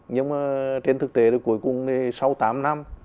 nhưng mà trên thực tế thì cuối cùng sau tám năm